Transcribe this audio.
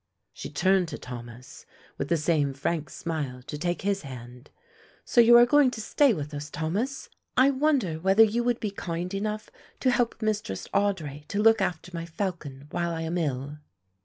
She turned to Thomas with the same frank smile to take his hand, "So you are going to stay with us, Thomas; I wonder whether you would be kind enough to help Mistress Audry to look after my falcon while I am ill."